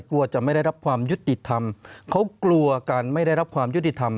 กลัวจะไม่ได้รับความยุติธรรมเขากลัวการไม่ได้รับความยุติธรรม